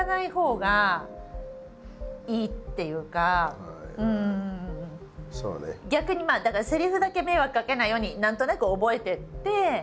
あとは逆に逆にまあだからセリフだけ迷惑かけないように何となく覚えていって。